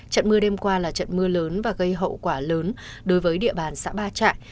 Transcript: trận mưa đêm qua là trận mưa lớn và gây hậu quả lớn đối với địa bàn xã ba trại